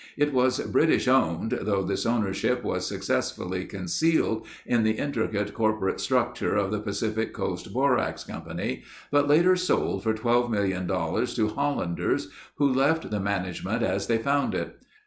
It was British owned, though this ownership was successfully concealed in the intricate corporate structure of the Pacific Coast Borax Company, but later sold for twelve million dollars to Hollanders who left the management as they found it.